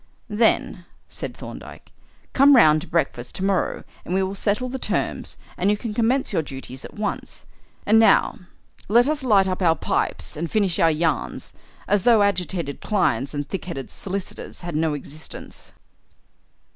"Then," said Thorndyke, "come round to breakfast to morrow and we will settle the terms, and you can commence your duties at once. And now let us light our pipes and finish our yarns as though agitated clients and thick headed solicitors had no existence."